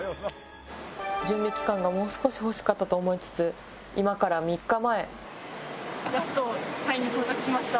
準備期間がもう少し欲しかったと思いつつ今から３日前。